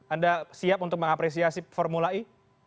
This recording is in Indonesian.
anda siap untuk mengapresiasi formula e